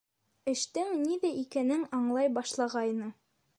Эштең ниҙә икәнен аңлай башлағайны.